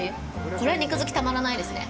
これは肉好き、たまらないですね。